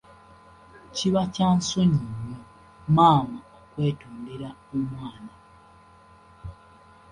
Kiba kya nsonyi nnyo maama okwetondera omwana.